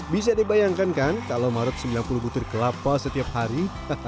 bisa dibayangkan kan kalau marut sembilan puluh butir kelapa setiap hari